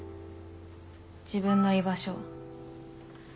自分の居場所